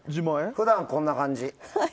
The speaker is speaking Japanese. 普段こんな感じ。